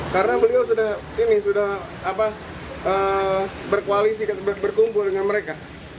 karena beliau sudah berkoalisi berkumpul dengan mereka